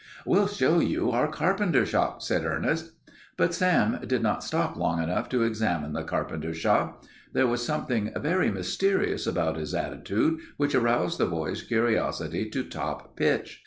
"We'll show you our carpenter shop," said Ernest. But Sam did not stop long to examine the carpenter shop. There was something very mysterious about his attitude which aroused the boys' curiosity to top pitch.